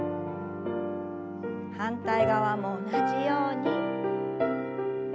反対側も同じように。